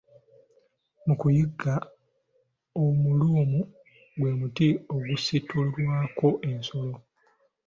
Mu kuyigga, Omuluumu gwe muti ogusitulirwako ensolo.